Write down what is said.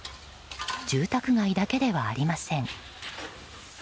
住宅街だけではありません。